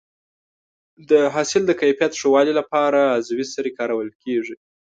د حاصل د کیفیت ښه والي لپاره عضوي سرې کارول کېږي.